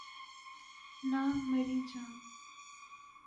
نہ مری جاں